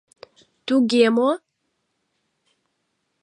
— Туге мо?